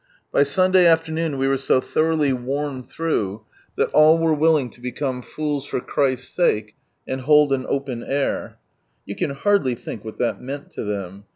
By Sunday ariernoon we were so thoroughly warmed through, that oil were willing to become fools for Christ's sake, and bold an Open Air. You can hardly think what that meant to them.